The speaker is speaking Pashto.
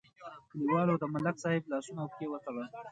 کلیوالو د ملک صاحب لاسونه او پښې وتړل.